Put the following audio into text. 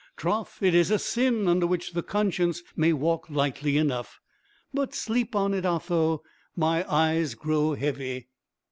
Troth, it is a sin under which the conscience may walk lightly enough. But sleep on it, Otho; my eyes grow heavy."